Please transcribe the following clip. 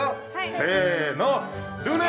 せの！